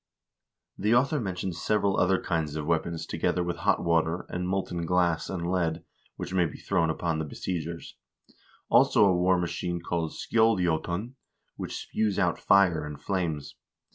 2 The author mentions several other kinds of weapons together with hot water, and molten glass and lead, which may be thrown upon the besiegers; also a war machine called skjoldJQtun, which spews out fire and flames.